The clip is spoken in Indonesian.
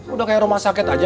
udah kayak rumah sakit aja